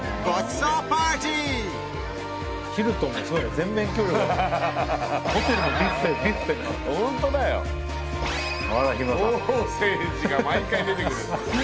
ソーセージが毎回出てくる。